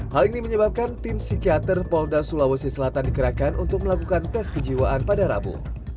hal ini menyebabkan tim psikiater polda sulawesi selatan dikerahkan untuk melakukan tes kejiwaan pada rabu